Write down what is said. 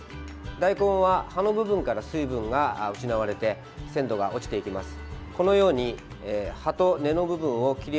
大根は葉の部分から水分が失われて鮮度が落ちていきます。